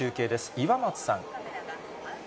岩松さん。